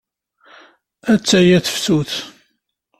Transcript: Atta-ya tefsut.